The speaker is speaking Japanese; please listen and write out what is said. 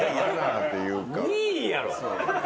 いいやろ。